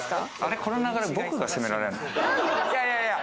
この流れ、僕が責められるの？